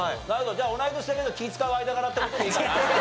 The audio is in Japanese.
じゃあ同い年だけど気ぃ使う間柄って事でいいかな？